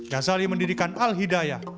ghazali mendidikan al hidayah